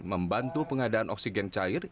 membantu pengadaan oksigen cair